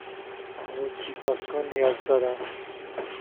قوطی باز کن نیاز دارم.